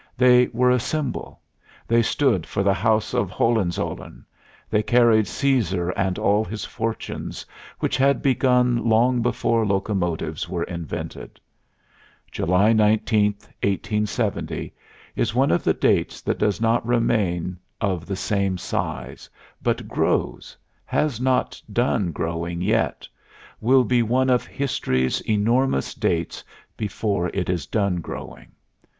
They were a symbol. They stood for the House of Hohenzollern; they carried Cæsar and all his fortunes, which had begun long before locomotives were invented. July 19, 1870, is one of the dates that does not remain of the same size, but grows, has not done growing yet, will be one of History's enormous dates before it is done growing.